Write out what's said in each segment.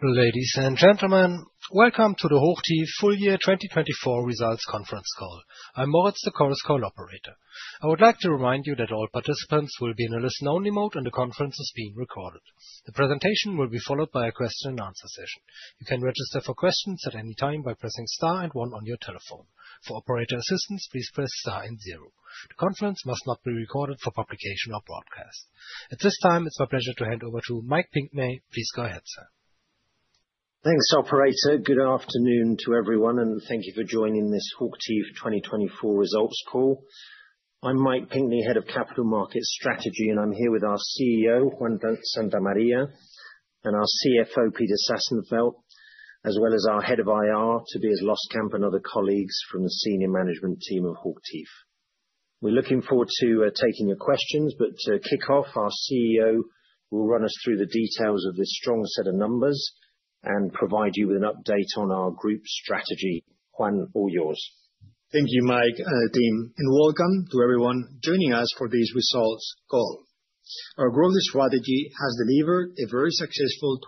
Ladies and gentlemen, welcome to the HOCHTIEF Full Year 2024 Results Conference Call. I'm Moritz, the call's operator. I would like to remind you that all participants will be in a listen-only mode, and the conference is being recorded. The presentation will be followed by a question-and-answer session. You can register for questions at any time by pressing star and one on your telephone. For operator assistance, please press star and zero. The conference must not be recorded for publication or broadcast. At this time, it's my pleasure to hand over to Mike Pinkney. Please go ahead, sir. Thanks, operator. Good afternoon to everyone, and thank you for joining this HOCHTIEF 2024 Results Call. I'm Mike Pinkney, Head of Capital Markets Strategy, and I'm here with our CEO, Juan Santamaría, and our CFO, Peter Sassenfeld, as well as our Head of IR, Tobias Loskamp, and other colleagues from the senior management team of HOCHTIEF. We're looking forward to taking your questions, but to kick off, our CEO will run us through the details of this strong set of numbers and provide you with an update on our group strategy. Juan, all yours. Thank you, Mike and the team, and welcome to everyone joining us for this results call. Our growth strategy has delivered a very successful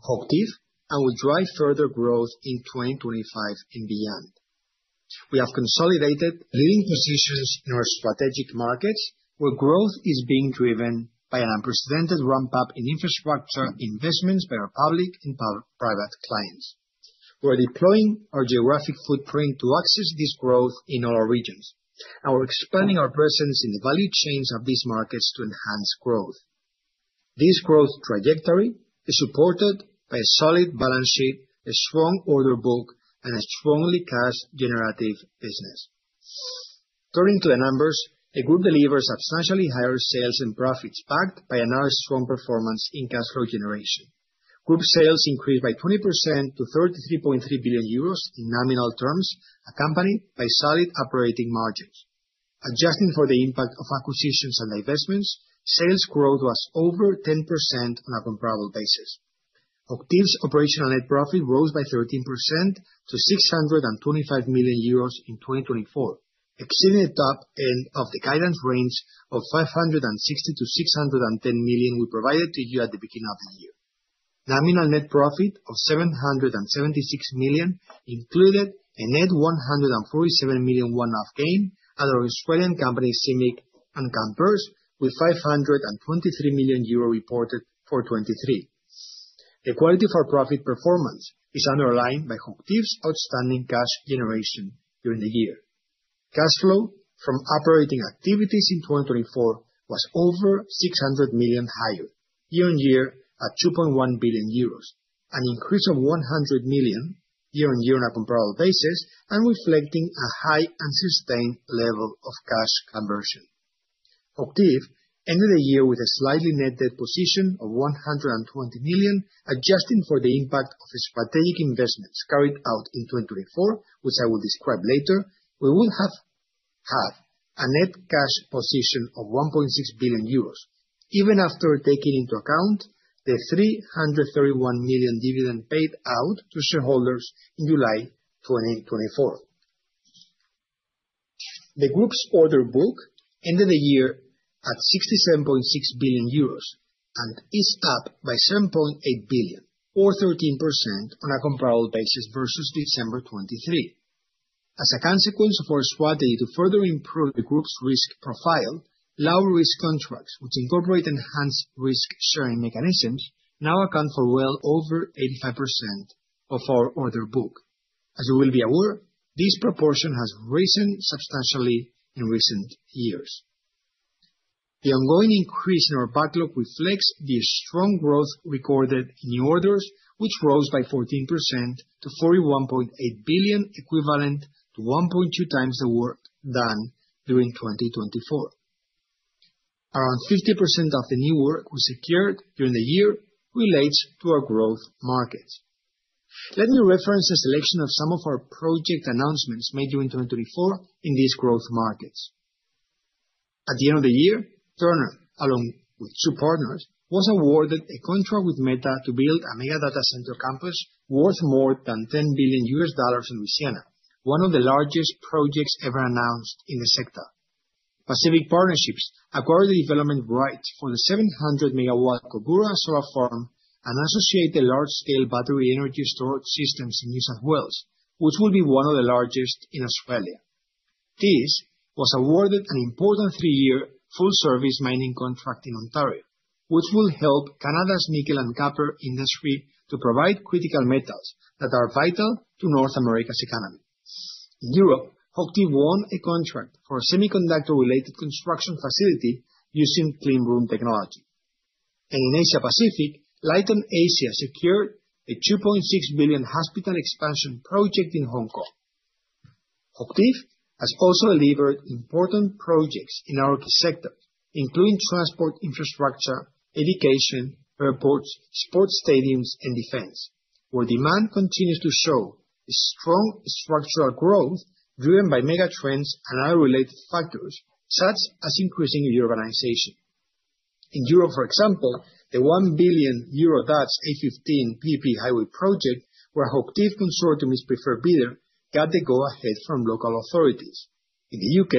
2024 HOCHTIEF and will drive further growth in 2025 and beyond. We have consolidated leading positions in our strategic markets, where growth is being driven by an unprecedented ramp-up in infrastructure investments by our public and private clients. We are deploying our geographic footprint to access this growth in all regions, and we're expanding our presence in the value chains of these markets to enhance growth. Thiess growth trajectory is supported by a solid balance sheet, a strong order book, and a strongly cash-generative business. Turning to the numbers, the group delivers substantially higher sales and profits, backed by another strong performance in cash flow generation. Group sales increased by 20% to 33.3 billion euros in nominal terms, accompanied by solid operating margins. Adjusting for the NPAT of acquisitions and investments, sales growth was over 10% on a comparable basis. HOCHTIEF's operational net profit rose by 13% to 625 million euros in 2024, exceeding the top end of the guidance range of 560 million-610 million we provided to you at the beginning of the year. Nominal net profit of 776 million included a net 147 million one-off gain at our Australian company, CIMIC and CPB, with 523 million euro reported for 2023. The quality for profit performance is underlined by HOCHTIEF's outstanding cash generation during the year. Cash flow from operating activities in 2024 was over 600 million higher, year-on-year, at 2.1 billion euros, an increase of 100 million year-on-year on a comparable basis, and reflecting a high and sustained level of cash conversion. HOCHTIEF ended the year with a slightly net debt position of 120 million, adjusting for the NPAT of strategic investments carried out in 2024, which I will describe later. We would have had a net cash position of 1.6 billion euros, even after taking into account the 331 million dividend paid out to shareholders in July 2024. The group's order book ended the year at 67.6 billion euros and is up by 7.8 billion, or 13% on a comparable basis versus December 2023. As a consequence of our strategy to further improve the group's risk profile, low-risk contracts, which incorporate enhanced risk-sharing mechanisms, now account for well over 85% of our order book. As you will be aware, this proportion has risen substantially in recent years. The ongoing increase in our backlog reflects the strong growth recorded in new orders, which rose by 14% to 41.8 billion, equivalent to 1.2x the work done during 2024. Around 50% of the new work we secured during the year relates to our growth markets. Let me reference a selection of some of our project announcements made during 2024 in these growth markets. At the end of the year, Turner, along with two partners, was awarded a contract with Meta to build a mega data center campus worth more than EUR 10 billion in Louisiana, one of the largest projects ever announced in the sector. Pacific Partnerships acquired the development rights for the 700 MW Cobar Solar Farm and associated large-scale battery energy storage systems in New South Wales, which will be one of the largest in Australia. Thiess was awarded an important three-year full-service mining contract in Ontario, which will help Canada's nickel and copper industry to provide critical metals that are vital to North America's economy. In Europe, HOCHTIEF won a contract for a semiconductor-related construction facility using clean room technology. In Asia-Pacific, Leighton Asia secured a 2.6 billion hospital expansion project in Hong Kong. HOCHTIEF has also delivered important projects in our sector, including transport infrastructure, education, airports, sports stadiums, and defense, where demand continues to show a strong structural growth driven by mega trends and other related factors, such as increasing urbanization. In Europe, for example, the 1 billion euro Dutch A15 PPP highway project, where HOCHTIEF Consortium is preferred bidder, got the go-ahead from local authorities. In the U.K.,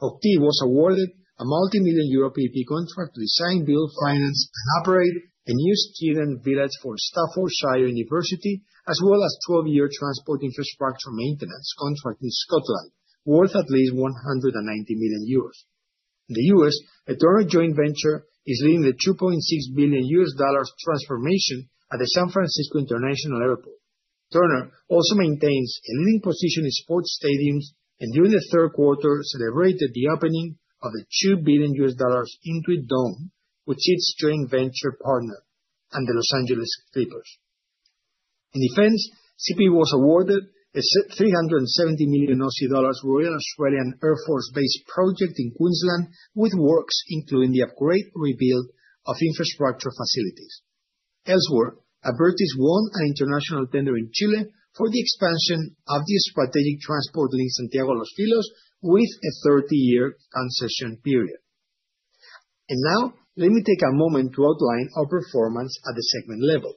HOCHTIEF was awarded a EUR 15 million PPP contract to design, build, finance, and operate a new student village for Staffordshire University, as well as a 12-year transport infrastructure maintenance contract in Scotland, worth at least 190 million euros. In the U.S., a Turner Joint Venture is leading the EUR 2.6 billion transformation at the San Francisco International Airport. Turner also maintains a leading position in sports stadiums and, during the third quarter, celebrated the opening of the EUR 2 billion Intuit Dome, with its joint venture partner, and the Los Angeles Clippers. In defense, CPB was awarded a EUR 370 million a Royal Australian Air Force Base project in Queensland, with works including the upgrade and rebuild of infrastructure facilities. Elsewhere, Abertis won an international tender in Chile for the expansion of the strategic transport link Santiago-Los Vilos, with a 30-year concession period. Now, let me take a moment to outline our performance at the segment level.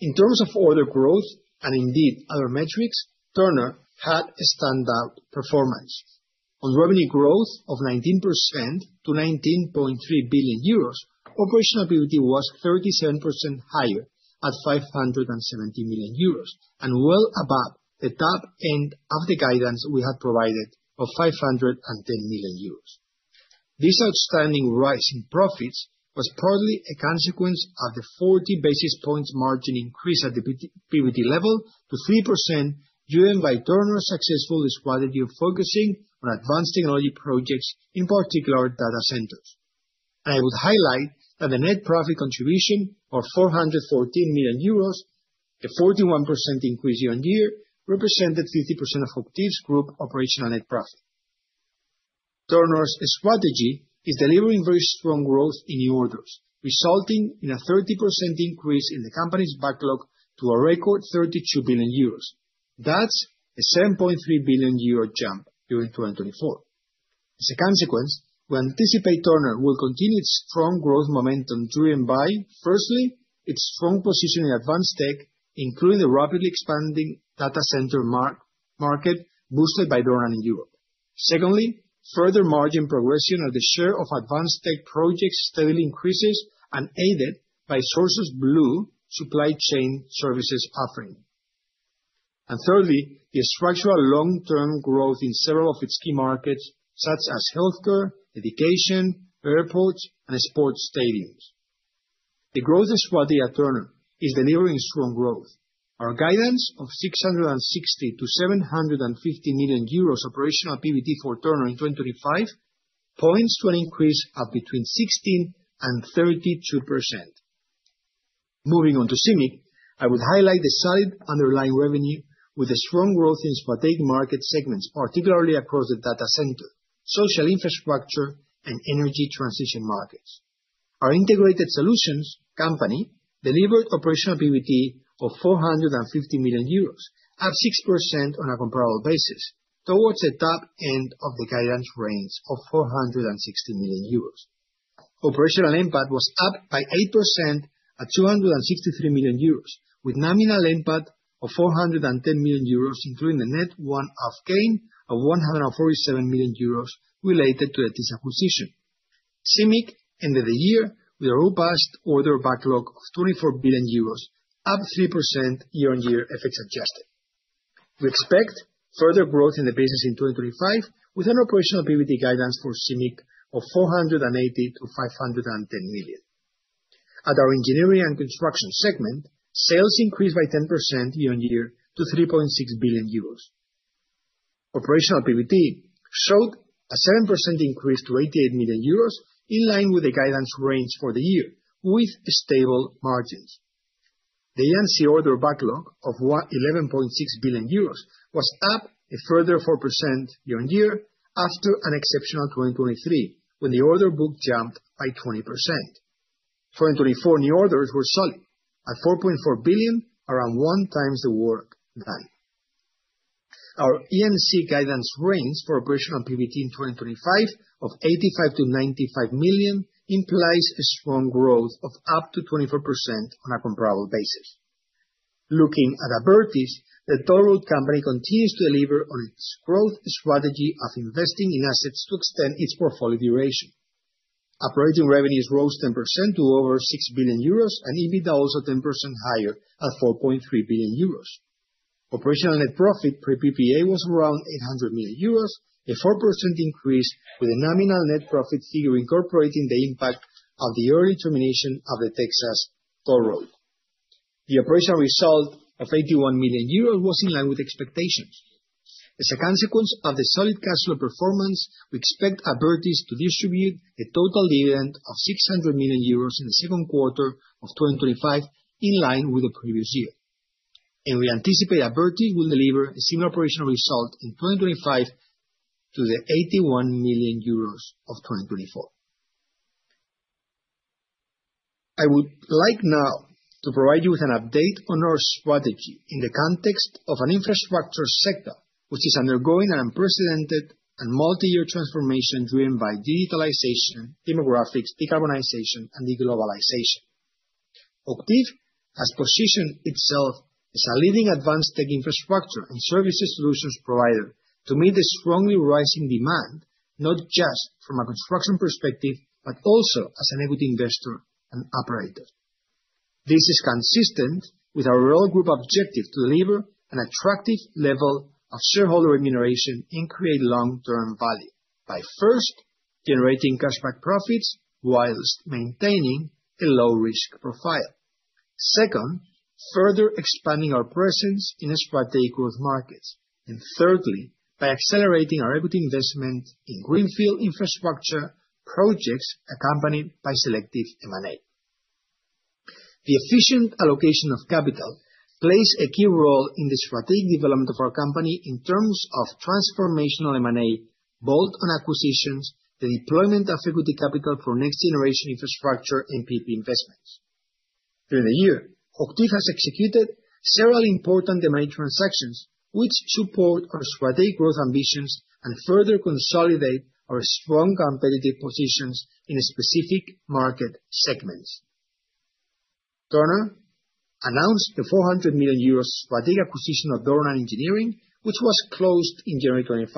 In terms of order growth, and indeed other metrics, Turner had a standout performance. On revenue growth of 19% to 19.3 billion euros, operational EBIT was 37% higher, at 570 million euros, and well above the top end of the guidance we had provided of 510 million euros. This outstanding rise in profits was partly a consequence of the 40 basis point margin increase at the PBT level to 3%, driven by Turner's successful strategy of focusing on advanced technology projects, in particular data centers. I would highlight that the net profit contribution of 414 million euros, a 41% increase year-on-year, represented 50% of HOCHTIEF's group operational net profit. Turner's strategy is delivering very strong growth in new orders, resulting in a 30% increase in the company's backlog to a record 32 billion euros, that's a 7.3 billion euro jump during 2024. As a consequence, we anticipate Turner will continue its strong growth momentum driven by, firstly, its strong position in advanced tech, including the rapidly expanding data center market boosted by Turner in Europe. Secondly, further margin progression of the share of advanced tech projects steadily increases and aided by SourceBlue supply chain services offering. And thirdly, the structural long-term growth in several of its key markets, such as healthcare, education, airports, and sports stadiums. The growth strategy at Turner is delivering strong growth. Our guidance of 660 million-750 million euros operational PBT for Turner in 2025 points to an increase of between 16% and 32%. Moving on to CIMIC, I would highlight the solid underlying revenue with the strong growth in strategic market segments, particularly across the data center, social infrastructure, and energy transition markets. Our Integrated Solutions Company delivered operational PBT of 450 million euros, up 6% on a comparable basis, towards the top end of the guidance range of 460 million euros. Operational NPAT was up by 8% at 263 million euros, with nominal NPAT of 410 million euros, including a net one-off gain of 147 million euros related to the Thiess acquisition. CIMIC ended the year with a robust order backlog of 24 billion euros, up 3% year-on-year effects adjusted. We expect further growth in the business in 2025, with an operational PBT guidance for CIMIC of 480 million-510 million. At our engineering and construction segment, sales increased by 10% year-on-year to 3.6 billion euros. Operational PBT showed a 7% increase to 88 million euros, in line with the guidance range for the year, with stable margins. The E&C order backlog of 11.6 billion euros was up a further 4% year-on-year after an exceptional 2023, when the order book jumped by 20%. 2024 new orders were solid, at 4.4 billion, around one times the work done. Our E&C guidance range for operational PBT in 2025 of 85 million-95 million implies a strong growth of up to 24% on a comparable basis. Looking at Abertis, the total company continues to deliver on its growth strategy of investing in assets to extend its portfolio duration. Operating revenues rose 10% to over 6 billion euros, and EBITDA also 10% higher, at 4.3 billion euros. Operational net profit pre-PPA was around 800 million euros, a 4% increase, with the nominal net profit figure incorporating the impact of the early termination of the Texas toll road. The operational result of 81 million euros was in line with expectations. As a consequence of the solid cash flow performance, we expect Abertis to distribute a total dividend of 600 million euros in the second quarter of 2025, in line with the previous year. And we anticipate Abertis will deliver a similar operational result in 2025 to the 81 million euros of 2024. I would like now to provide you with an update on our strategy in the context of an infrastructure sector which is undergoing an unprecedented and multi-year transformation driven by digitalization, demographics, decarbonization, and globalization. HOCHTIEF has positioned itself as a leading advanced tech infrastructure and services solutions provider to meet the strongly rising demand, not just from a construction perspective, but also as an equity investor and operator. This is consistent with our overall group objective to deliver an attractive level of shareholder remuneration and create long-term value, by first, generating cash-backed profits while maintaining a low-risk profile, second, further expanding our presence in strategic growth markets, and thirdly, by accelerating our equity investment in greenfield infrastructure projects accompanied by selective M&A. The efficient allocation of capital plays a key role in the strategic development of our company in terms of transformational M&A, bolt-on acquisitions, the deployment of equity capital for next-generation infrastructure and PPP investments. During the year, HOCHTIEF has executed several important M&A transactions, which support our strategic growth ambitions and further consolidate our strong competitive positions in specific market segments. Turner announced the 400 million euros strategic acquisition of Dornan Engineering, which was closed in January 2025.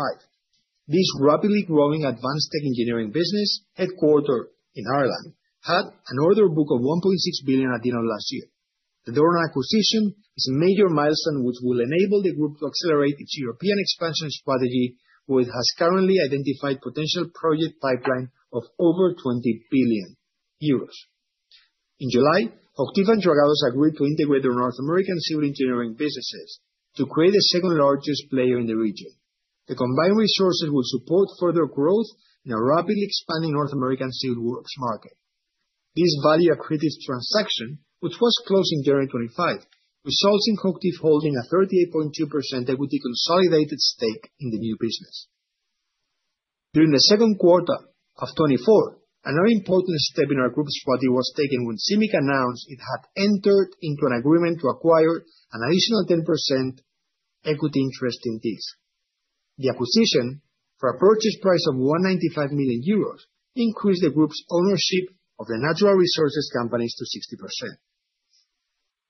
This rapidly growing advanced tech engineering business, headquartered in Ireland, had an order book of 1.6 billion at the end of last year. The Dornan acquisition is a major milestone which will enable the group to accelerate its European expansion strategy, where it has currently identified a potential project pipeline of over 20 billion euros. In July, HOCHTIEF and Dragados agreed to integrate their North American civil engineering businesses to create the second-largest player in the region. The combined resources will support further growth in a rapidly expanding North American civil works market. This value-accretive transaction, which was closed in January 2025, results in HOCHTIEF holding a 38.2% equity consolidated stake in the new business. During the second quarter of 2024, another important step in our group strategy was taken when CIMIC announced it had entered into an agreement to acquire an additional 10% equity interest in Thiess. The acquisition, for a purchase price of 195 million euros, increased the group's ownership of the natural resources companies to 60%.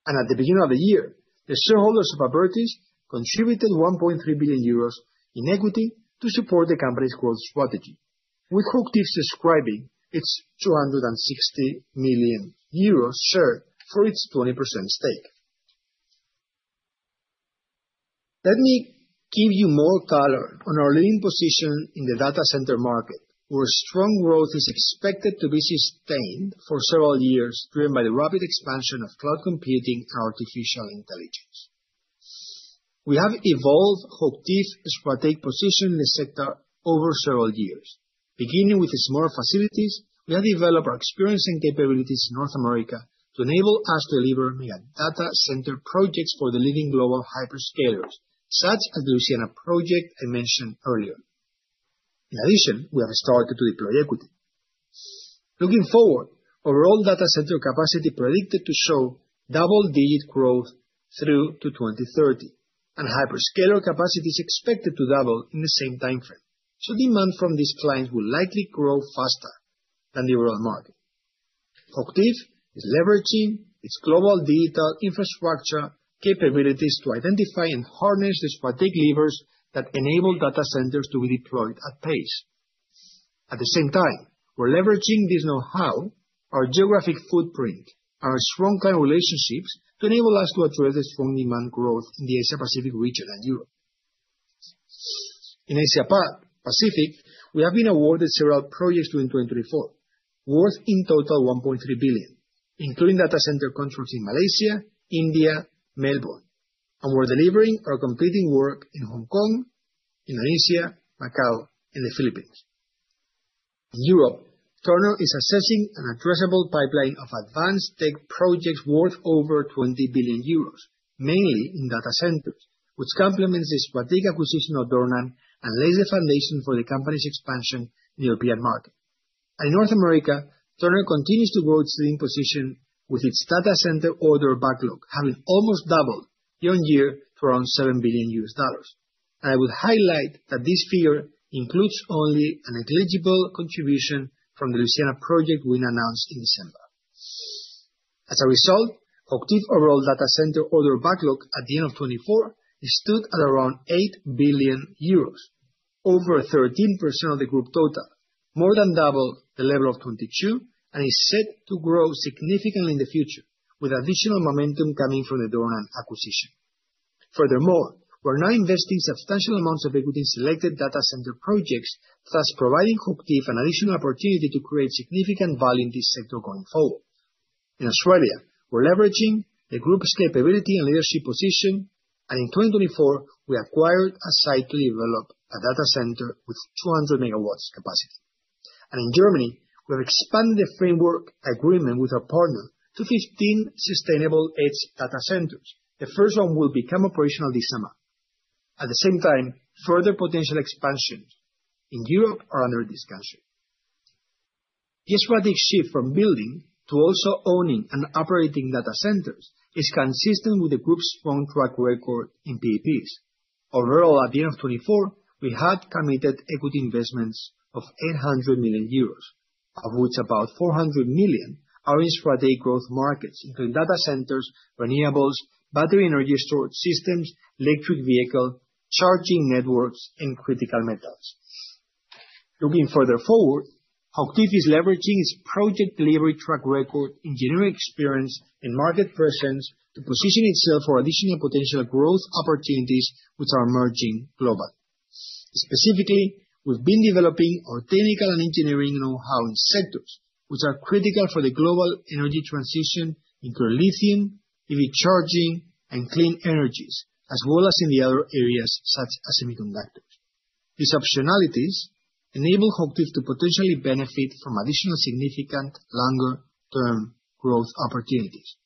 And at the beginning of the year, the shareholders of Abertis contributed 1.3 billion euros in equity to support the company's growth strategy, with HOCHTIEF subscribing its 260 million euros share for its 20% stake. Let me give you more color on our leading position in the data center market, where strong growth is expected to be sustained for several years, driven by the rapid expansion of cloud computing and artificial intelligence. We have evolved HOCHTIEF's strategic position in the sector over several years. Beginning with its smaller facilities, we have developed our experience and capabilities in North America to enable us to deliver mega data center projects for the leading global hyperscalers, such as the Louisiana project I mentioned earlier. In addition, we have started to deploy equity. Looking forward, overall data center capacity is predicted to show double-digit growth through to 2030, and hyperscaler capacity is expected to double in the same timeframe, so demand from these clients will likely grow faster than the overall market. HOCHTIEF is leveraging its global digital infrastructure capabilities to identify and harness the strategic levers that enable data centers to be deployed at pace. At the same time, we're leveraging this know-how, our geographic footprint, and our strong client relationships to enable us to address the strong demand growth in the Asia-Pacific region and Europe. In Asia-Pacific, we have been awarded several projects during 2024, worth in total 1.3 billion, including data center contracts in Malaysia, India, and Melbourne, and we're delivering or completing work in Hong Kong, Indonesia, Macao, and the Philippines. In Europe, Turner is assessing an addressable pipeline of advanced tech projects worth over 20 billion euros, mainly in data centers, which complements the strategic acquisition of Dornan and lays the foundation for the company's expansion in the European market. In North America, Turner continues to grow its leading position with its data center order backlog, having almost doubled year-on-year to around EUR 7 billion. I would highlight that this figure includes only a negligible contribution from the Louisiana project we announced in December. As a result, HOCHTIEF's overall data center order backlog at the end of 2024 stood at around 8 billion euros, over 13% of the group total, more than double the level of 2022, and is set to grow significantly in the future, with additional momentum coming from the Dornan acquisition. Furthermore, we're now investing substantial amounts of equity in selected data center projects, thus providing HOCHTIEF an additional opportunity to create significant value in this sector going forward. In Australia, we're leveraging the group's capability and leadership position, and in 2024, we acquired a site to develop a data center with 200 MW capacity. And in Germany, we have expanded the framework agreement with our partner to 15 sustainable edge data centers. The first one will become operational this summer. At the same time, further potential expansions in Europe are under discussion. This strategic shift from building to also owning and operating data centers is consistent with the group's strong track record in PPPs. Overall, at the end of 2024, we had committed equity investments of 800 million euros, of which about 400 million are in strategic growth markets, including data centers, renewables, battery energy storage systems, electric vehicles, charging networks, and critical metals. Looking further forward, HOCHTIEF is leveraging its project delivery track record, engineering experience, and market presence to position itself for additional potential growth opportunities, which are emerging globally. Specifically, we've been developing our technical and engineering know-how in sectors which are critical for the global energy transition, including lithium, EV charging, and clean energies, as well as in the other areas such as semiconductors. These optionalities enable HOCHTIEF to potentially benefit from additional significant longer-term growth opportunities.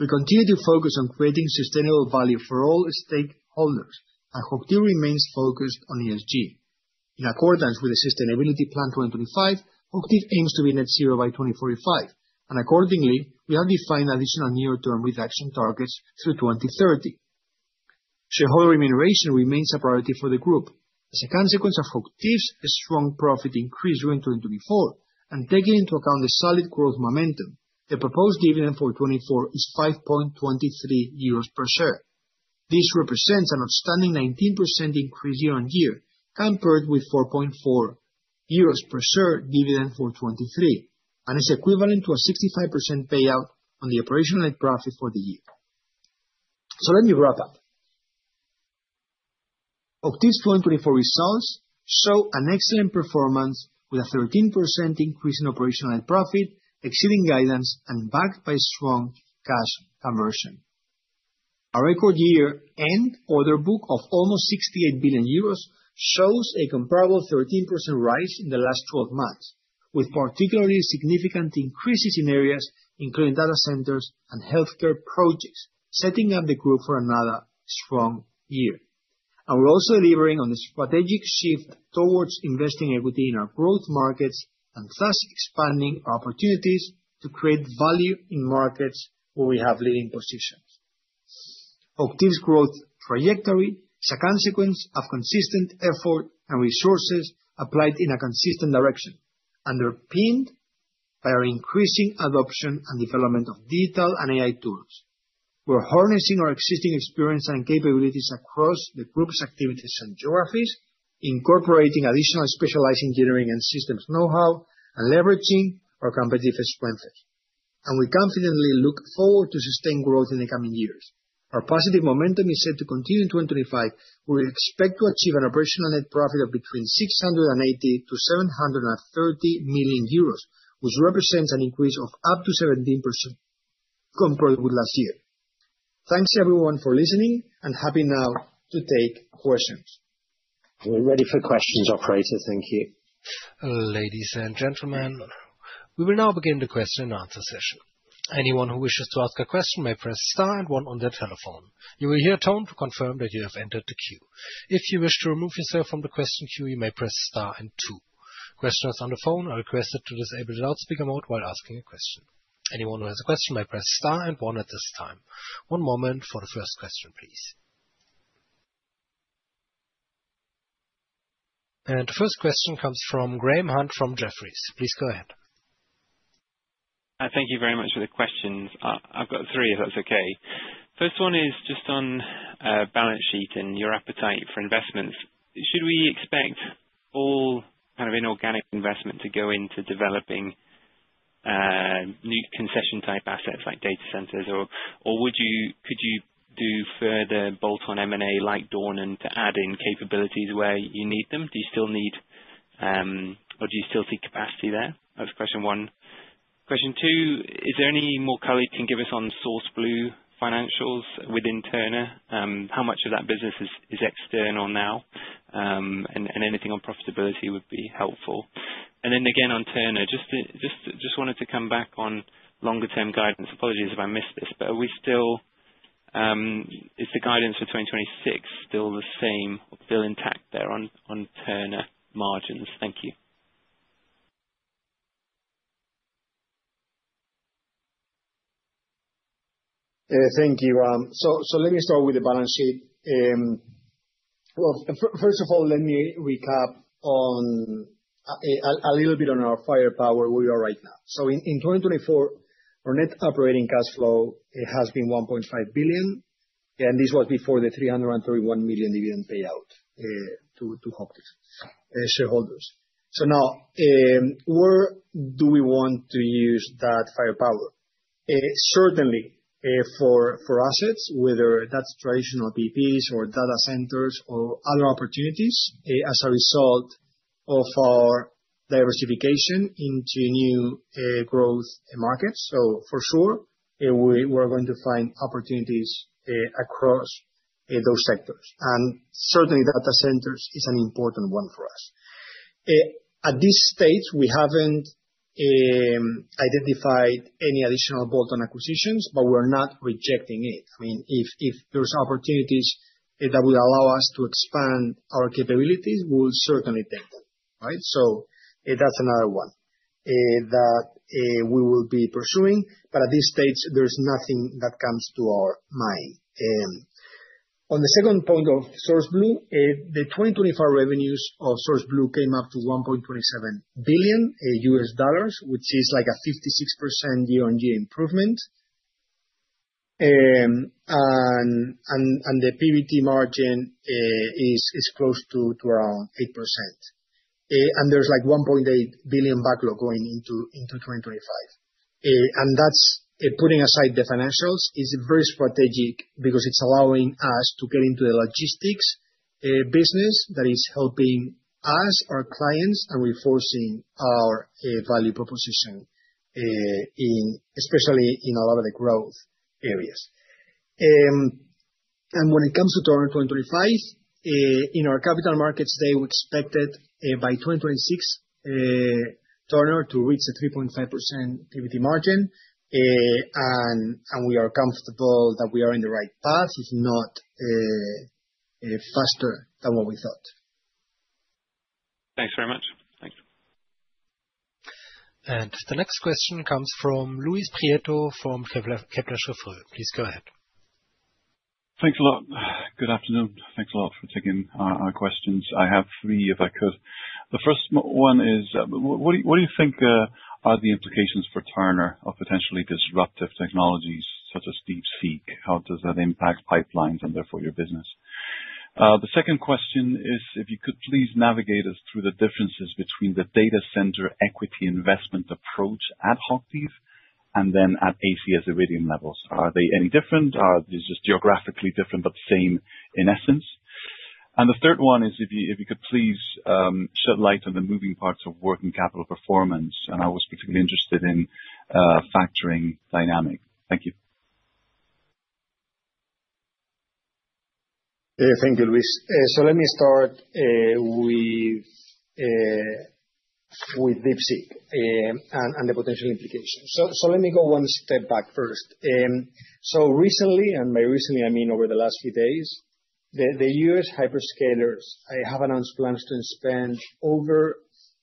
We continue to focus on creating sustainable value for all stakeholders, and HOCHTIEF remains focused on ESG. In accordance with the Sustainability Plan 2025, HOCHTIEF aims to be net zero by 2045, and accordingly, we have defined additional near-term reduction targets through 2030. Shareholder remuneration remains a priority for the group. As a consequence of HOCHTIEF's strong profit increase during 2024, and taking into account the solid growth momentum, the proposed dividend for 2024 is 5.23 euros per share. This represents an outstanding 19% increase year-on-year, compared with 4.40 euros per share dividend for 2023, and is equivalent to a 65% payout on the operational net profit for the year. So let me wrap up. HOCHTIEF's 2024 results show an excellent performance, with a 13% increase in operational net profit, exceeding guidance and backed by strong cash conversion. Our record year-end order book of almost 68 billion euros shows a comparable 13% rise in the last 12 months, with particularly significant increases in areas including data centers and healthcare projects, setting up the group for another strong year. We're also delivering on the strategic shift towards investing equity in our growth markets and thus expanding our opportunities to create value in markets where we have leading positions. HOCHTIEF's growth trajectory is a consequence of consistent effort and resources applied in a consistent direction, underpinned by our increasing adoption and development of digital and AI tools. We're harnessing our existing experience and capabilities across the group's activities and geographies, incorporating additional specialized engineering and systems know-how, and leveraging our competitive strengths. We confidently look forward to sustained growth in the coming years. Our positive momentum is set to continue in 2025, where we expect to achieve an operational net profit of between 680 million-730 million euros, which represents an increase of up to 17%, compared with last year. Thanks, everyone, for listening, and happy now to take questions. We're ready for questions, operator. Thank you. Ladies and gentlemen, we will now begin the question and answer session. Anyone who wishes to ask a question may press star and one on their telephone. You will hear a tone to confirm that you have entered the queue. If you wish to remove yourself from the question queue, you may press star and two. Questioners on the phone are requested to disable the loudspeaker mode while asking a question. Anyone who has a question may press star and one at this time. One moment for the first question, please. And the first question comes from Graham Hunt from Jefferies. Please go ahead. Thank you very much for the questions. I've got three, if that's okay. First one is just on balance sheet and your appetite for investments. Should we expect all kind of inorganic investment to go into developing new concession-type assets like data centers, or could you do further bolt-on M&A like Dornan to add in capabilities where you need them? Do you still need, or do you still see capacity there? That's question one. Question two, is there any more color you can give us on SourceBlue financials within Turner? How much of that business is external now? And anything on profitability would be helpful. And then again on Turner, just wanted to come back on longer-term guidance. Apologies if I missed this, but is the guidance for 2026 still the same, still intact there on Turner margins? Thank you. Thank you. So let me start with the balance sheet. First of all, let me recap a little bit on our firepower where we are right now. So in 2024, our net operating cash flow has been 1.5 billion, and this was before the 331 million dividend payout to HOCHTIEF shareholders. So now, where do we want to use that firepower? Certainly for assets, whether that's traditional PPPs or data centers or other opportunities as a result of our diversification into new growth markets. So for sure, we're going to find opportunities across those sectors. And certainly, data centers is an important one for us. At this stage, we haven't identified any additional bolt-on acquisitions, but we're not rejecting it. I mean, if there's opportunities that would allow us to expand our capabilities, we'll certainly take them. So that's another one that we will be pursuing. But at this stage, there's nothing that comes to our mind. On the second point of SourceBlue, the 2024 revenues of SourceBlue came up to EUR 1.27 billion, which is like a 56% year-on-year improvement. And the PBT margin is close to around 8%. And there's like 1.8 billion backlog going into 2025. And that's putting aside the financials, is very strategic because it's allowing us to get into the logistics business that is helping us, our clients, and reinforcing our value proposition, especially in a lot of the growth areas. And when it comes to Turner 2025, in our capital markets today, we expected by 2026, Turner to reach a 3.5% PBT margin. And we are comfortable that we are in the right path, if not faster than what we thought. Thanks very much. Thanks. And the next question comes from Luis Prieto from Kepler Cheuvreux. Please go ahead. Thanks a lot. Good afternoon. Thanks a lot for taking our questions. I have three, if I could. The first one is, what do you think are the implications for Turner of potentially disruptive technologies such as DeepSeek? How does that impact pipelines and therefore your business? The second question is, if you could please navigate us through the differences between the data center equity investment approach at HOCHTIEF and then at ACS Iridium levels. Are they any different? Are they just geographically different but the same in essence? And the third one is, if you could please shed light on the moving parts of working capital performance. I was particularly interested in factoring dynamic. Thank you. Thank you, Luis. Let me start with DeepSeek and the potential implications. Let me go one step back first. Recently, and by recently, I mean over the last few days, the U.S. hyperscalers have announced plans to spend over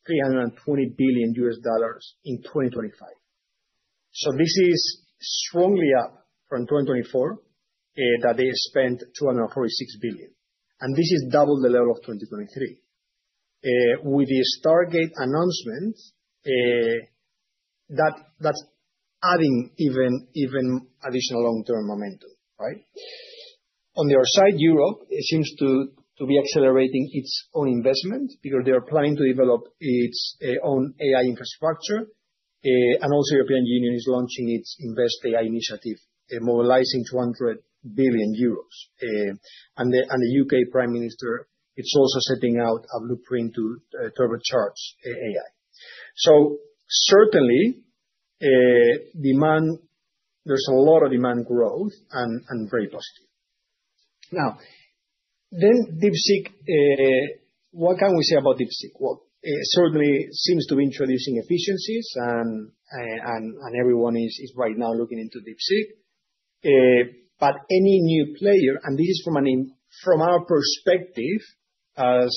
$320 billion in 2025. This is strongly up from 2024, that they spent $246 billion. This is double the level of 2023. With the Stargate announcement, that's adding even additional long-term momentum. On the other side, Europe seems to be accelerating its own investment because they are planning to develop its own AI infrastructure. Also, the European Union is launching its Invest AI initiative, mobilizing 200 billion euros. The U.K. Prime Minister is also setting out a blueprint to turbocharge AI. Certainly, there's a lot of demand growth and very positive. Now, then DeepSeek, what can we say about DeepSeek? Well, certainly, it seems to be introducing efficiencies, and everyone is right now looking into DeepSeek. But any new player, and this is from our perspective as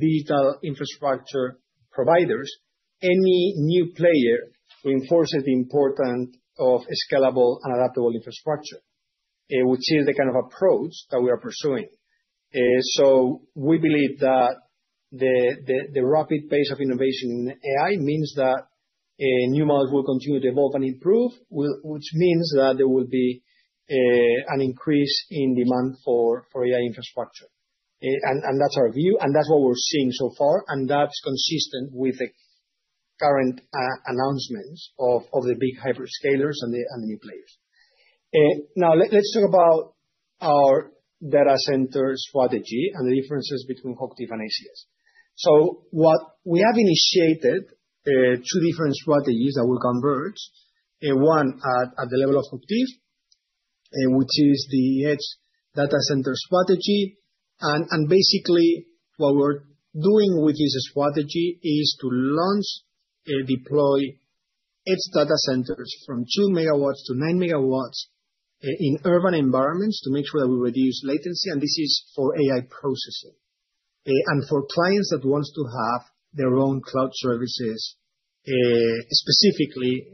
digital infrastructure providers, any new player reinforces the importance of scalable and adaptable infrastructure, which is the kind of approach that we are pursuing. So we believe that the rapid pace of innovation in AI means that new models will continue to evolve and improve, which means that there will be an increase in demand for AI infrastructure. And that's our view, and that's what we're seeing so far, and that's consistent with the current announcements of the big hyperscalers and the new players. Now, let's talk about our data center strategy and the differences between HOCHTIEF and ACS. What we have initiated are two different strategies that will converge, one at the level of HOCHTIEF, which is the edge data center strategy. Basically, what we're doing with this strategy is to launch and deploy edge data centers from two megawatts to nine megawatts in urban environments to make sure that we reduce latency. This is for AI processing and for clients that want to have their own cloud services specifically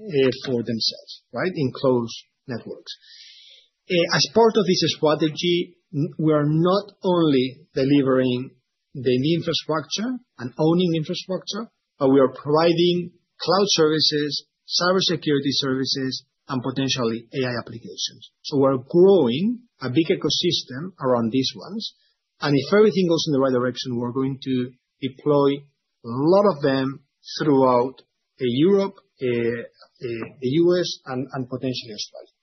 for themselves in closed networks. As part of this strategy, we are not only delivering the infrastructure and owning infrastructure, but we are providing cloud services, cybersecurity services, and potentially AI applications. We're growing a big ecosystem around these ones. If everything goes in the right direction, we're going to deploy a lot of them throughout Europe, the U.S., and potentially Australia.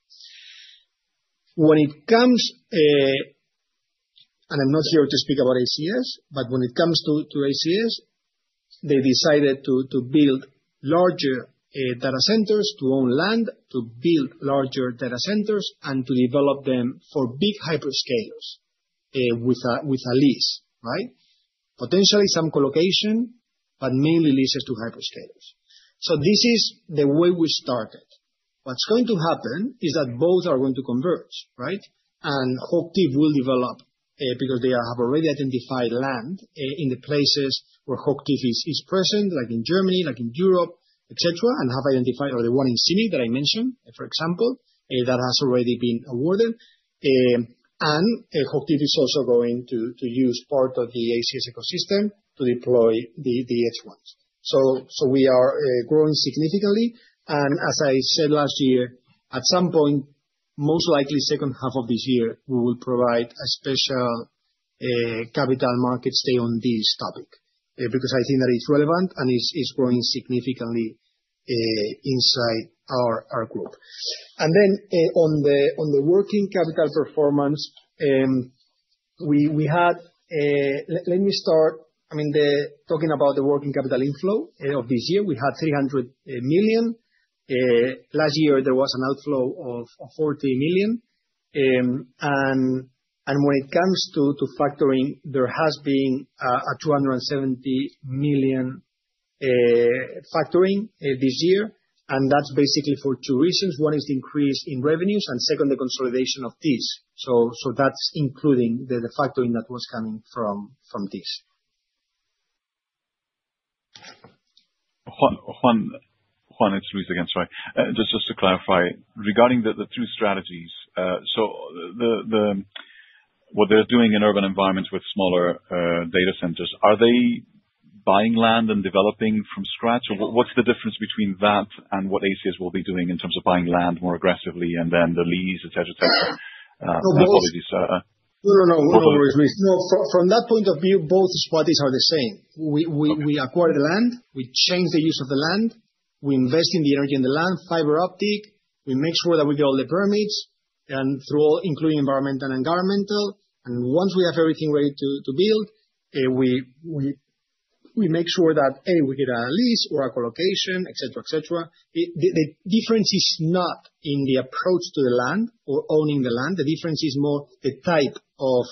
When it comes, and I'm not here to speak about ACS, but when it comes to ACS, they decided to build larger data centers to own land, to build larger data centers, and to develop them for big hyperscalers with a lease, potentially some colocation, but mainly leases to hyperscalers, so this is the way we started. What's going to happen is that both are going to converge, and HOCHTIEF will develop because they have already identified land in the places where HOCHTIEF is present, like in Germany, like in Europe, etc., and have identified the one in Zürich that I mentioned, for example, that has already been awarded, and HOCHTIEF is also going to use part of the ACS ecosystem to deploy the edge ones, so we are growing significantly. As I said last year, at some point, most likely second half of this year, we will provide a special capital markets strategy on this topic because I think that it's relevant and it's growing significantly inside our group. On the working capital performance, we had, let me start, I mean, talking about the working capital inflow of this year, we had 300 million. Last year, there was an outflow of 40 million. When it comes to factoring, there has been a 270 million factoring this year. That's basically for two reasons. One is the increase in revenues, and second, the consolidation of these. That's including the factoring that was coming from these. Juan, it's Luis again, sorry. Just to clarify, regarding the two strategies, what they're doing in urban environments with smaller data centers, are they buying land and developing from scratch? Or what's the difference between that and what ACS will be doing in terms of buying land more aggressively and then the lease, etc., etc.? No, no, no. No, no, no. No, from that point of view, both strategies are the same. We acquire the land, we change the use of the land, we invest in the energy and the land, fiber optic, we make sure that we get all the permits, including environmental and environmental. And once we have everything ready to build, we make sure that, A, we get a lease or a colocation, etc., etc. The difference is not in the approach to the land or owning the land. The difference is more the type of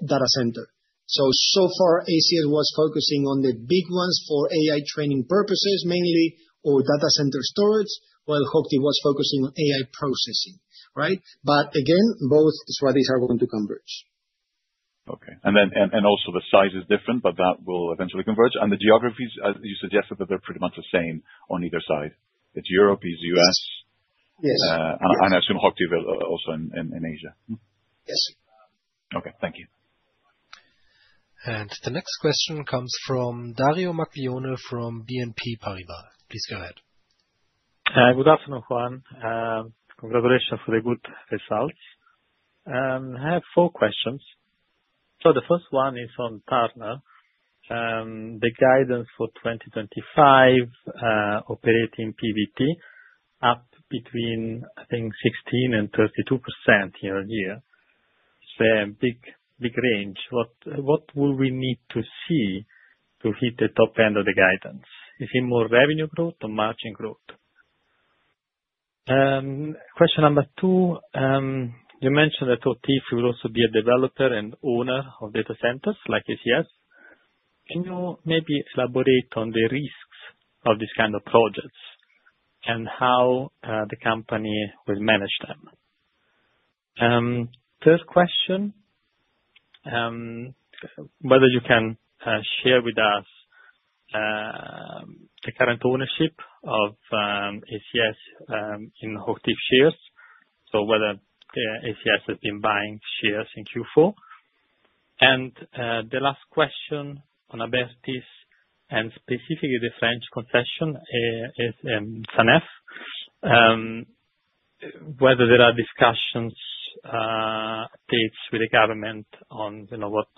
data center. So so far, ACS was focusing on the big ones for AI training purposes, mainly or data center storage, while HOCHTIEF was focusing on AI processing. But again, both strategies are going to converge. Okay. And also the size is different, but that will eventually converge. And the geographies, as you suggested, that they're pretty much the same on either side. It's Europe, it's US, and I assume HOCHTIEF also in Asia. Yes. Okay. Thank you. And the next question comes from Dario Maglione from BNP Paribas. Please go ahead. Good afternoon, Juan. Congratulations for the good results. I have four questions. So the first one is on Turner. The guidance for 2025 operating PBT up between, I think, 16%-32% year-on-year. It's a big range. What will we need to see to hit the top end of the guidance? Is it more revenue growth or margin growth? Question number two, you mentioned that HOCHTIEF will also be a developer and owner of data centers like ACS. Can you maybe elaborate on the risks of this kind of projects and how the company will manage them? Third question, whether you can share with us the current ownership of ACS in HOCHTIEF shares, so whether ACS has been buying shares in Q4. And the last question on Abertis and specifically the French concession is SANEF, whether there are discussions with the government on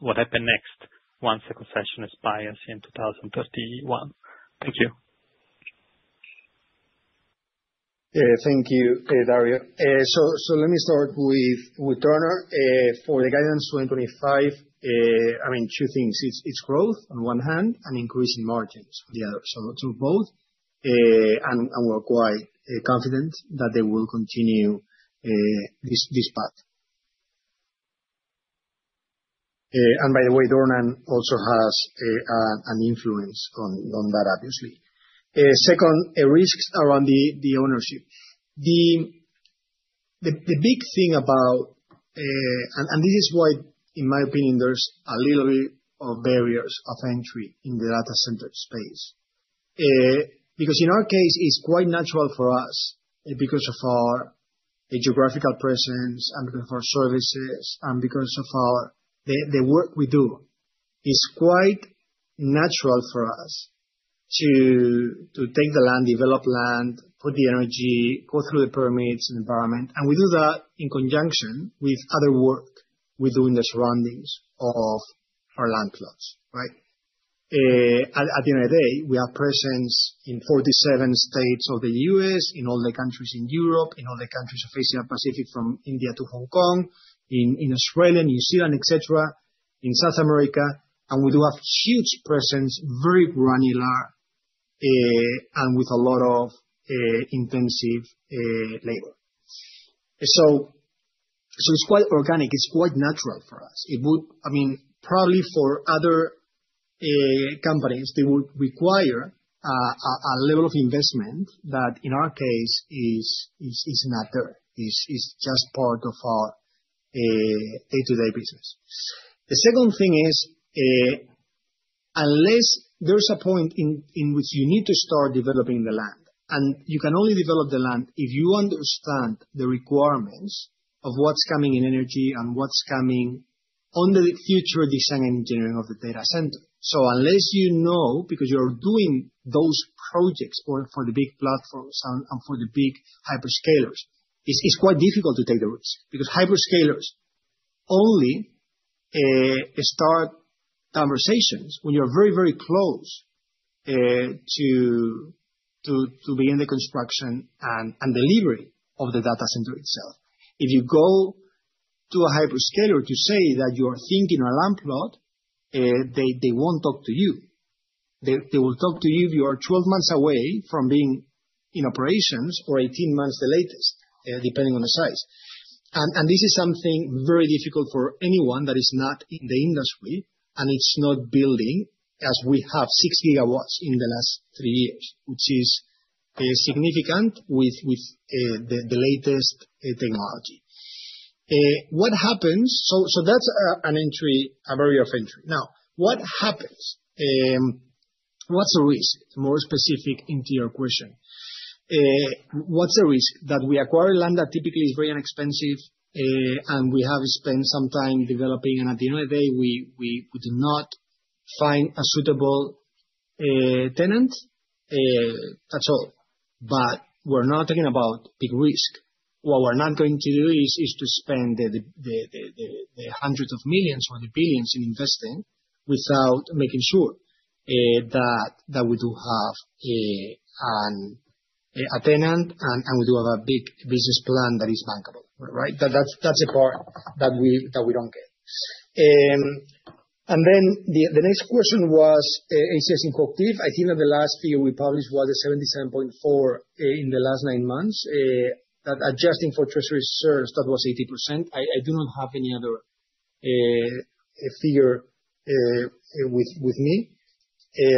what happens next once the concession expires in 2031. Thank you. Thank you, Dario. Let me start with Turner. For the guidance 2025, I mean, two things. It's growth on one hand and increasing margins on the other. So both. And we're quite confident that they will continue this path. And by the way, Dornan also has an influence on that, obviously. Second, risks around the ownership. The big thing about, and this is why, in my opinion, there's a little bit of barriers of entry in the data center space. Because in our case, it's quite natural for us because of our geographical presence and because of our services and because of the work we do. It's quite natural for us to take the land, develop land, put the energy, go through the permits and environment, and we do that in conjunction with other work we do in the surroundings of our land plots. At the end of the day, we have presence in 47 states of the U.S., in all the countries in Europe, in all the countries of Asia-Pacific from India to Hong Kong, in Australia, New Zealand, etc., in South America, and we do have huge presence, very granular, and with a lot of intensive labor, so it's quite organic. It's quite natural for us. I mean, probably for other companies, they would require a level of investment that, in our case, is not there. It's just part of our day-to-day business. The second thing is, unless there's a point in which you need to start developing the land, and you can only develop the land if you understand the requirements of what's coming in energy and what's coming on the future design and engineering of the data center. So unless you know, because you're doing those projects for the big platforms and for the big hyperscalers, it's quite difficult to take the risk. Because hyperscalers only start conversations when you're very, very close to being in the construction and delivery of the data center itself. If you go to a hyperscaler to say that you are thinking on a land plot, they won't talk to you. They will talk to you if you are 12 months away from being in operations or 18 months the latest, depending on the size, and this is something very difficult for anyone that is not in the industry and is not building, as we have six gigawatts in the last three years, which is significant with the latest technology. What happens, so that's an entry, a barrier to entry. Now, what happens? What's the risk? More specific to your question. What's the risk? That we acquire land that typically is very inexpensive, and we have spent some time developing, and at the end of the day, we do not find a suitable tenant. That's all, but we're not talking about big risk. What we're not going to do is to spend the hundreds of millions or the billions in investing without making sure that we do have a tenant and we do have a big business plan that is bankable. That's a part that we don't get. And then the next question was ACS in HOCHTIEF. I think that the last figure we published was 77.4% in the last nine months. Adjusting for treasury shares, that was 80%. I do not have any other figure with me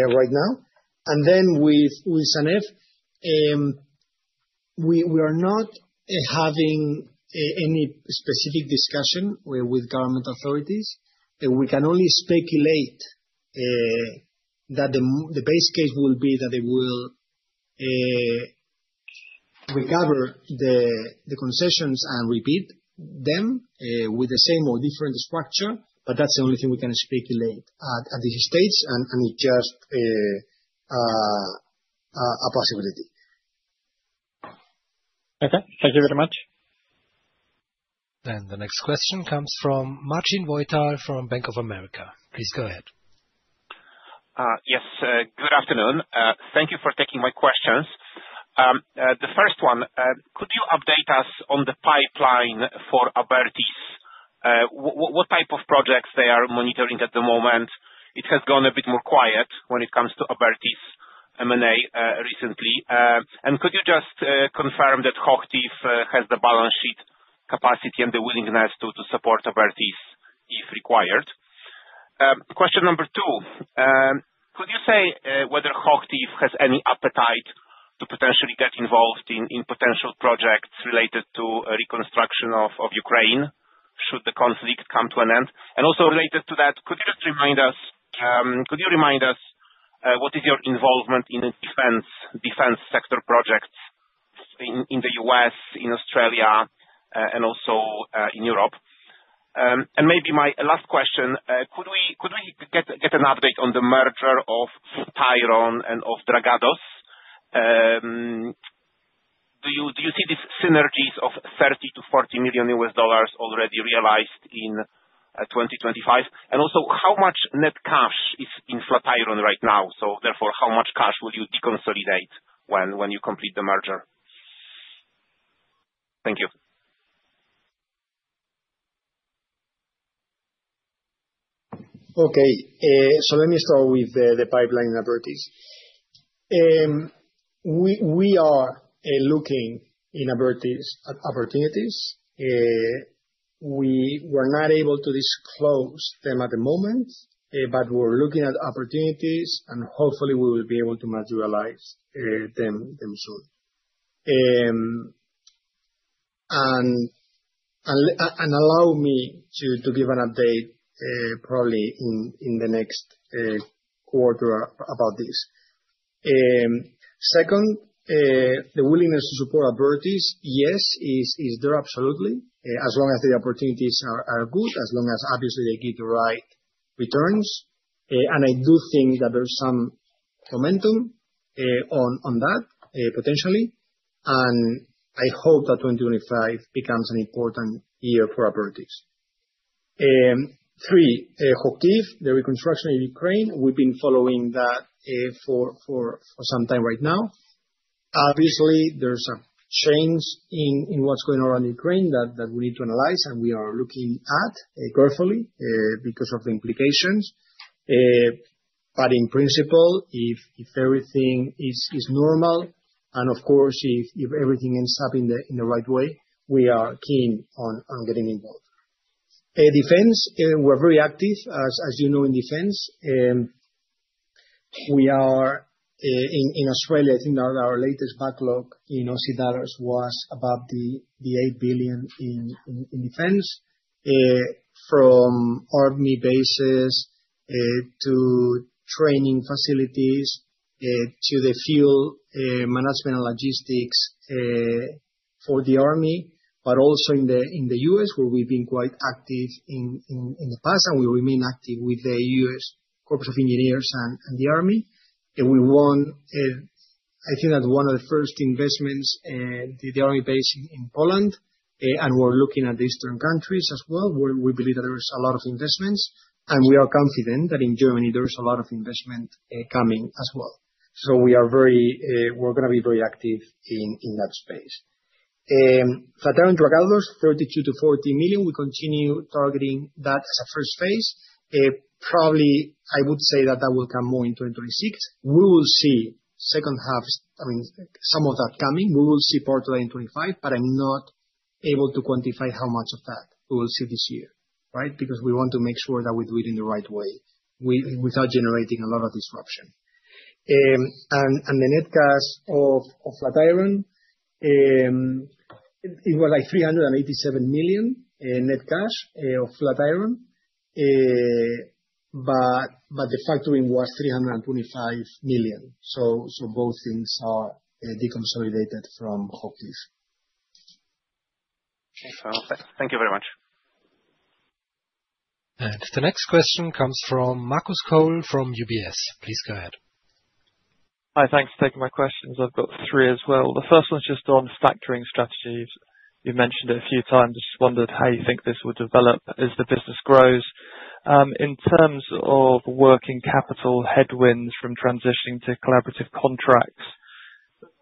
right now. And then with SANEF, we are not having any specific discussion with government authorities. We can only speculate that the base case will be that they will recover the concessions and repeat them with the same or different structure. But that's the only thing we can speculate at this stage, and it's just a possibility. Okay. Thank you very much. Then the next question comes from Marcin Wojtal from Bank of America. Please go ahead. Yes. Good afternoon. Thank you for taking my questions. The first one, could you update us on the pipeline for Abertis? What type of projects they are monitoring at the moment? It has gone a bit more quiet when it comes to Abertis M&A recently. And could you just confirm that HOCHTIEF has the balance sheet capacity and the willingness to support Abertis if required? Question number two, could you say whether HOCHTIEF has any appetite to potentially get involved in potential projects related to reconstruction of Ukraine should the conflict come to an end? And also related to that, could you just remind us what is your involvement in defense sector projects in the U.S., in Australia, and also in Europe? And maybe my last question, could we get an update on the merger of Flatiron and of Dragados? Do you see these synergies of $30 million-$40 million already realized in 2025? And also, how much net cash is in Flatiron right now? So therefore, how much cash will you deconsolidate when you complete the merger? Thank you. Okay. So let me start with the pipeline in Abertis. We are looking in Abertis at opportunities. We were not able to disclose them at the moment, but we're looking at opportunities, and hopefully, we will be able to materialize them soon. And allow me to give an update probably in the next quarter about this. Second, the willingness to support Abertis, yes, is there absolutely, as long as the opportunities are good, as long as obviously they give the right returns. I do think that there's some momentum on that potentially. I hope that 2025 becomes an important year for Abertis. Three, HOCHTIEF, the reconstruction of Ukraine. We've been following that for some time right now. Obviously, there's a change in what's going on in Ukraine that we need to analyze, and we are looking at carefully because of the implications. In principle, if everything is normal, and of course, if everything ends up in the right way, we are keen on getting involved. Defense, we're very active, as you know, in defense. We are in Australia. I think our latest backlog in CIMIC was about eight billion in defense, from army bases to training facilities to the field management and logistics for the army. But also in the U.S., where we've been quite active in the past, and we remain active with the U.S. Corps of Engineers and the Army. And I think that one of the first investments, the Army base in Poland, and we're looking at the Eastern countries as well, where we believe that there's a lot of investments. And we are confident that in Germany, there's a lot of investment coming as well. So we are going to be very active in that space. Flatiron Dragados, 32 million-40 million. We continue targeting that as a first phase. Probably, I would say that that will come more in 2026. We will see second half, I mean, some of that coming. We will see part of that in 2025, but I'm not able to quantify how much of that we will see this year, right? Because we want to make sure that we do it in the right way without generating a lot of disruption. The net cash of Flatiron, it was like 387 million net cash of Flatiron, but the factoring was EUR 325 million. So both things are deconsolidated from HOCHTIEF. Okay. Perfect. Thank you very much. The next question comes from Marcus Cole from UBS. Please go ahead. Hi. Thanks for taking my questions. I've got three as well. The first one's just on factoring strategies. You mentioned it a few times. I just wondered how you think this will develop as the business grows. In terms of working capital headwinds from transitioning to collaborative contracts,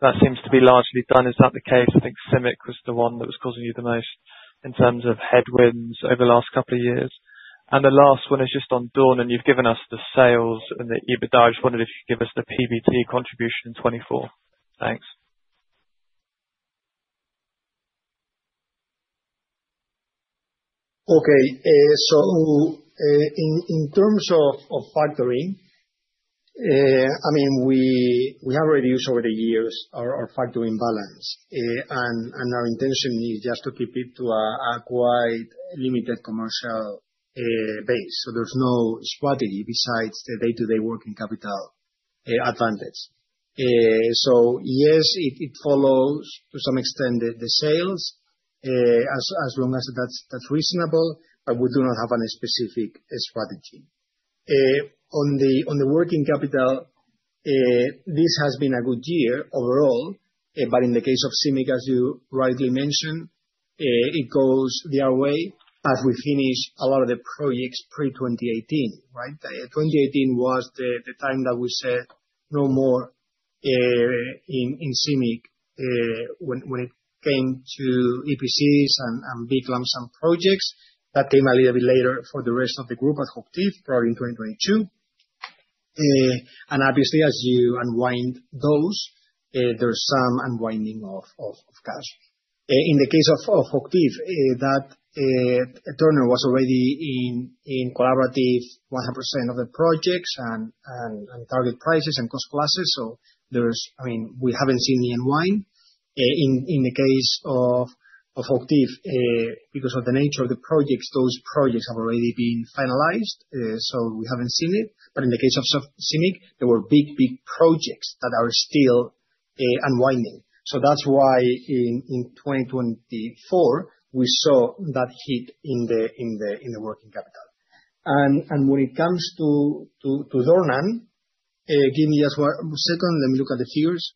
that seems to be largely done. Is that the case? I think CIMIC was the one that was causing you the most in terms of headwinds over the last couple of years. The last one is just on Dornan. You've given us the sales and the EBITDA. I just wondered if you could give us the PBT contribution in 2024. Thanks. Okay. So in terms of factoring, I mean, we have reduced over the years our factoring balance. And our intention is just to keep it to a quite limited commercial base. So there's no strategy besides the day-to-day working capital advantage. So yes, it follows to some extent the sales, as long as that's reasonable, but we do not have a specific strategy. On the working capital, this has been a good year overall. But in the case of CIMIC, as you rightly mentioned, it goes the other way as we finish a lot of the projects pre-2018, right? 2018 was the time that we said no more in CIMIC when it came to EPCs and big lump sum projects. That came a little bit later for the rest of the group at HOCHTIEF, probably in 2022. Obviously, as you unwind those, there's some unwinding of cash. In the case of HOCHTIEF, Dornan was already in collaborative 100% of the projects and target prices and cost classes. So I mean, we haven't seen the unwind. In the case of HOCHTIEF, because of the nature of the projects, those projects have already been finalized. We haven't seen it. In the case of CIMIC, there were big, big projects that are still unwinding. That's why in 2024, we saw that hit in the working capital. When it comes to Dornan, give me just one second. Let me look at the figures.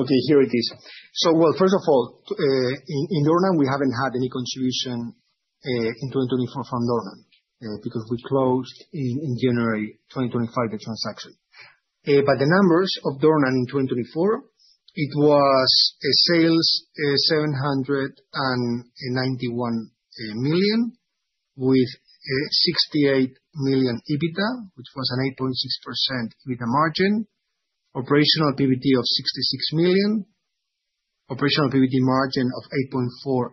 Okay. Here it is. Well, first of all, in Dornan, we haven't had any contribution in 2024 from Dornan because we closed in January 2025 the transaction. But the numbers of Dornan in 2024, it was sales $791 million with $68 million EBITDA, which was an 8.6% EBITDA margin, operational PBT of $66 million, operational PBT margin of 8.4%.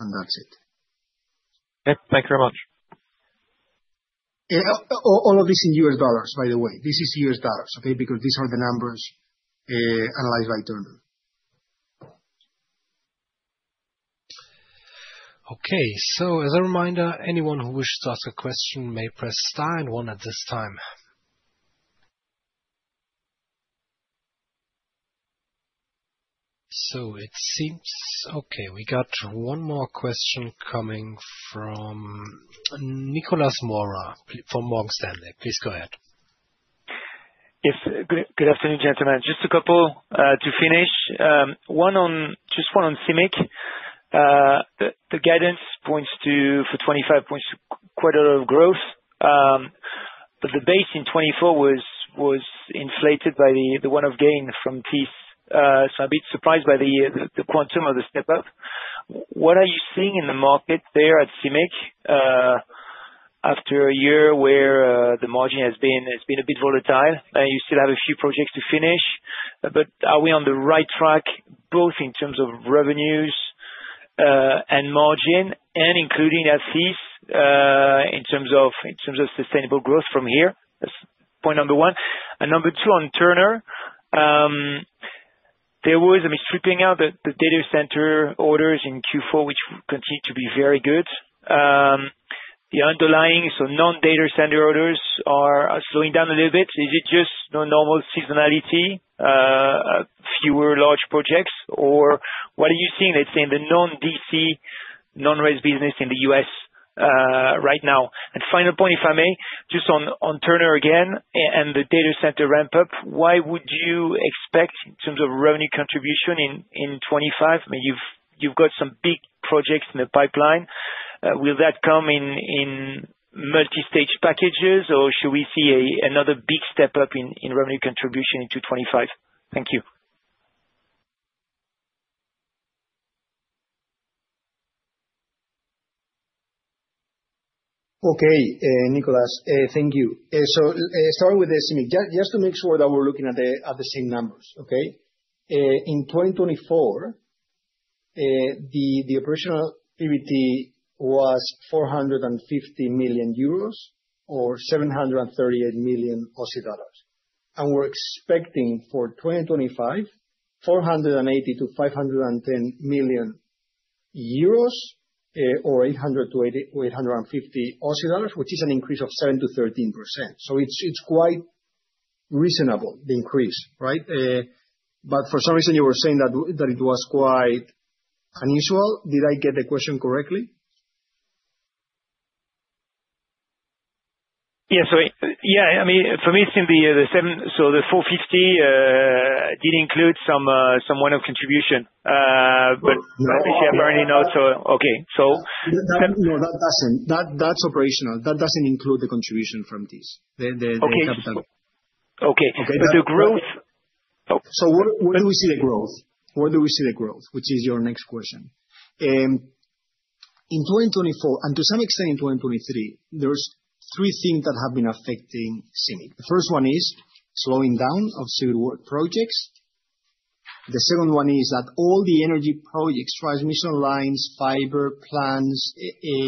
And that's it. Okay. Thank you very much. All of this in U.S. dollars, by the way. This is U.S. dollars, okay? Because these are the numbers analyzed by Dornan. Okay. So as a reminder, anyone who wishes to ask a question may press star and one at this time. So it seems okay. We got one more question coming from Nicolas Mora from Morgan Stanley. Please go ahead. Yes. Good afternoon, gentlemen. Just a couple to finish. Just one on CIMIC. The guidance points to for 2025 quite a lot of growth, but the base in 2024 was inflated by the one-off gain from Thiess, so I'm a bit surprised by the quantum of the step-up. What are you seeing in the market there at CIMIC after a year where the margin has been a bit volatile? You still have a few projects to finish, but are we on the right track both in terms of revenues and margin and including at least in terms of sustainable growth from here? That's point number one, and number two on Turner, there was, I mean, stripping out the data center orders in Q4, which continued to be very good. The underlying, so non-data center orders are slowing down a little bit. Is it just normal seasonality, fewer large projects? Or what are you seeing? Let's say in the non-DC, non-res business in the US right now. And final point, if I may, just on Turner again and the data center ramp-up, why would you expect in terms of revenue contribution in 2025? I mean, you've got some big projects in the pipeline. Will that come in multi-stage packages, or should we see another big step-up in revenue contribution into 2025? Thank you. Okay. Nicolas, thank you. So start with CIMIC. Just to make sure that we're looking at the same numbers, okay? In 2024, the operational PBT was 450 million euros or 738 million Aussie dollars. And we're expecting for 2025, 480 million-510 million euros or 800 million-850 million Aussie dollars, which is an increase of 7%-13%. So it's quite reasonable, the increase, right? But for some reason, you were saying that it was quite unusual. Did I get the question correctly? Yeah. So yeah, I mean, for me, it seemed the 7, so the 450 did include some one-off contribution. But I appreciate you pointing out, so okay? So that doesn't. That's operational. That doesn't include the contribution from Thiess, the capital. Okay. But the growth? So where do we see the growth? Where do we see the growth, which is your next question? In 2024, and to some extent in 2023, there's three things that have been affecting CIMIC. The first one is slowing down of civil work projects. The second one is that all the energy projects, transmission lines, fiber plants,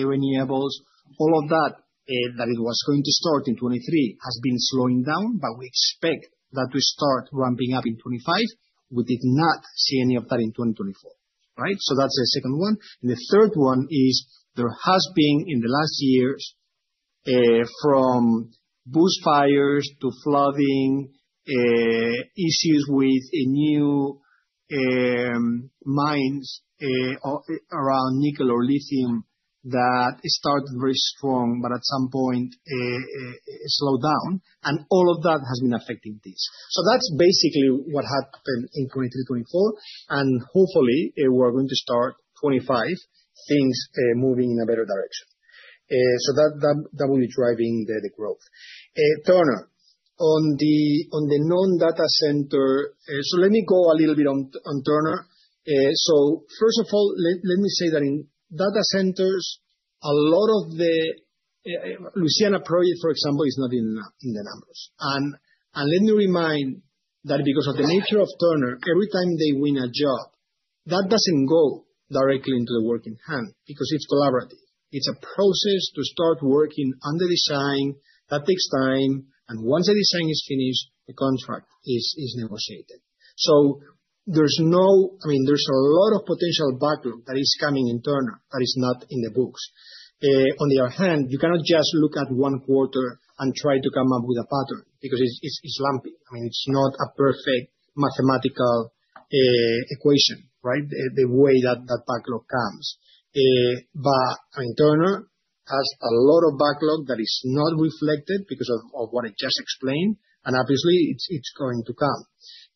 renewables, all of that that it was going to start in 2023 has been slowing down, but we expect that to start ramping up in 2025. We did not see any of that in 2024, right? So that's the second one. The third one is there has been in the last years, from bushfires to flooding, issues with new mines around nickel or lithium that started very strong, but at some point slowed down. And all of that has been affecting these. So that's basically what happened in 2023, 2024. And hopefully, we're going to start 2025 things moving in a better direction. So that will be driving the growth. Turner, on the non-data center so let me go a little bit on Turner. So first of all, let me say that in data centers, a lot of the Louisiana project, for example, is not in the numbers. And let me remind that because of the nature of Turner, every time they win a job, that doesn't go directly into the work in hand because it's collaborative. It's a process to start working on the design. That takes time. And once the design is finished, the contract is negotiated. So there's no. I mean, there's a lot of potential backlog that is coming in Turner that is not in the books. On the other hand, you cannot just look at one quarter and try to come up with a pattern because it's lumpy. I mean, it's not a perfect mathematical equation, right, the way that backlog comes. But I mean, Turner has a lot of backlog that is not reflected because of what I just explained. And obviously, it's going to come.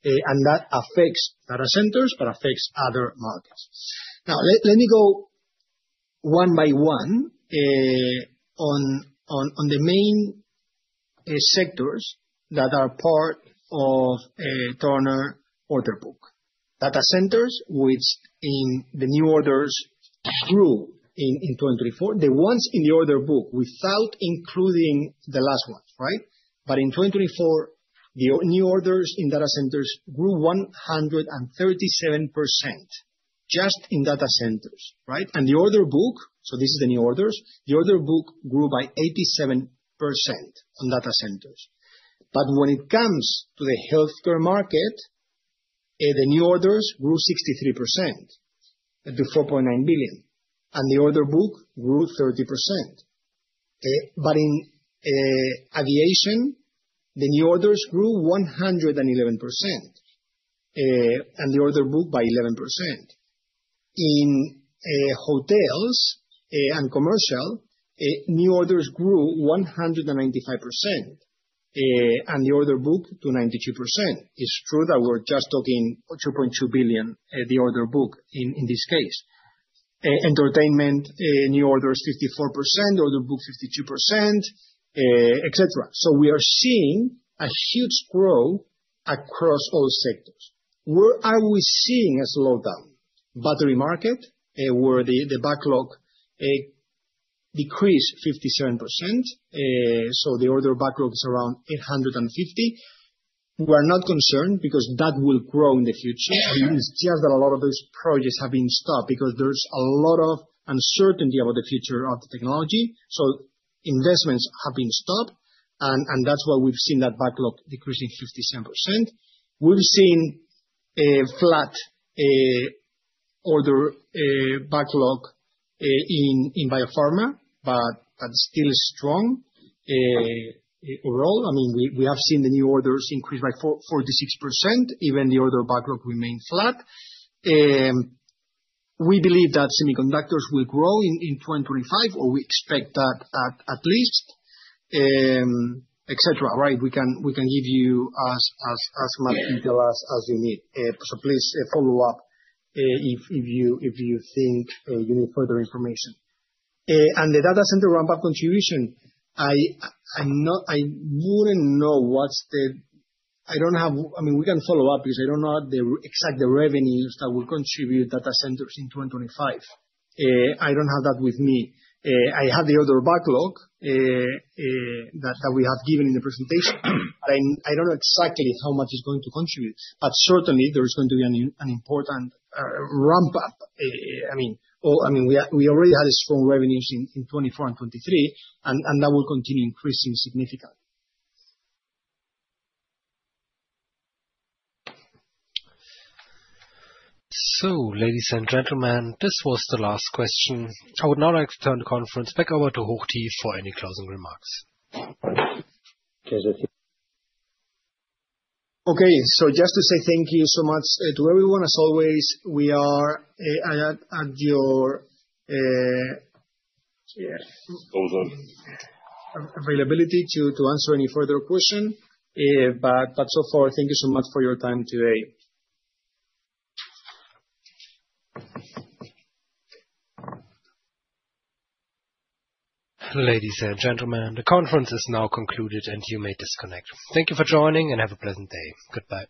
And that affects data centers, but affects other markets. Now, let me go one by one on the main sectors that are part of Turner order book. Data centers, which in the new orders grew in 2024. The ones in the order book without including the last ones, right? But in 2024, the new orders in data centers grew 137% just in data centers, right? And the order book, so this is the new orders, the order book grew by 87% on data centers. But when it comes to the healthcare market, the new orders grew 63% to 4.9 billion. And the order book grew 30%. But in aviation, the new orders grew 111%. And the order book by 11%. In hotels and commercial, new orders grew 195%. And the order book to 92%. It's true that we're just talking 2.2 billion at the order book in this case. Entertainment, new orders 54%, order book 52%, etc. So we are seeing a huge growth across all sectors. Where are we seeing a slowdown? Battery market, where the backlog decreased 57%. So the order backlog is around 850 million. We are not concerned because that will grow in the future. It's just that a lot of those projects have been stopped because there's a lot of uncertainty about the future of the technology, so investments have been stopped, and that's why we've seen that backlog decrease in 57%. We've seen a flat order backlog in biopharma, but still strong overall. I mean, we have seen the new orders increase by 46%. Even the order backlog remained flat. We believe that semiconductors will grow in 2025, or we expect that at least, etc., right? We can give you as much detail as you need, so please follow up if you think you need further information, and the data center ramp-up contribution, I wouldn't know what's the. I don't have. I mean, we can follow up because I don't know exactly the revenues that will contribute data centers in 2025. I don't have that with me. I have the order backlog that we have given in the presentation. I don't know exactly how much it's going to contribute. But certainly, there is going to be an important ramp-up. I mean, we already had strong revenues in 2024 and 2023, and that will continue increasing significantly. So, ladies and gentlemen, this was the last question. I would now like to turn the conference back over to HOCHTIEF for any closing remarks. Okay. So just to say thank you so much to everyone. As always, we are at your availability to answer any further question. But so far, thank you so much for your time today. Ladies and gentlemen, the conference is now concluded, and you may disconnect. Thank you for joining, and have a pleasant day. Goodbye.